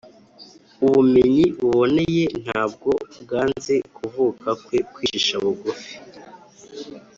ubumenyi buboneye ntabwo bwanze kuvuka kwe kwicisha bugufi,